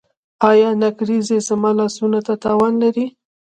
ایا نکریزې زما لاسونو ته تاوان لري؟